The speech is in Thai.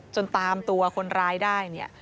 จนตามตัวคนร้ายได้